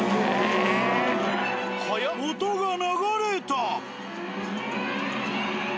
音が流れた！